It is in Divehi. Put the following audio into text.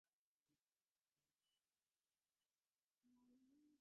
އަކުމަލްއަށް ލޯބި ދަސްވީ ވީރާ އޭނާގެ ހަޔާތަށް ފިޔަވަޅުއެޅި ދުވަހުން ފެށިގެން